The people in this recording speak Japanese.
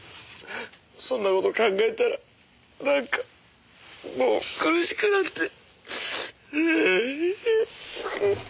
そんな事考えたらなんかもう悲しくなって。